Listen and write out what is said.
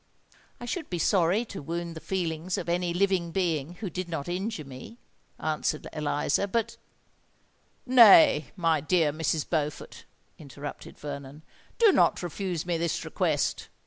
"I should be sorry to wound the feelings of any living being who did not injure me," answered Eliza: "but——" "Nay, my dear Mrs. Beaufort," interrupted Vernon, "do not refuse me this request.